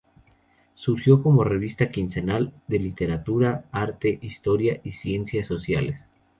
Surgió como Revista quincenal de Literatura, Arte, Historia y Ciencias Sociales.